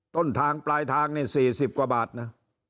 ต้นทางปลายทางนี่๔๐กว่าบาทนะ